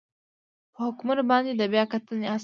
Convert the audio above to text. په حکمونو باندې د بیا کتنې اصل